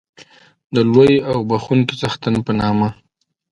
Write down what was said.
د لوی او بښوونکي څښتن په نامه.